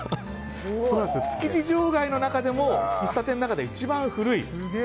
築地場外の中でも喫茶店の中で一番古い。